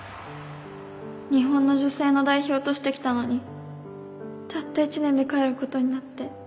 日本の女性の代表として来たのにたった１年で帰る事になって。